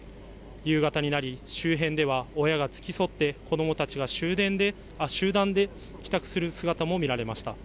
夕方になり周辺では親が付き添って子どもたちが集団で帰宅する姿も見られました。